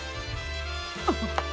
あっ！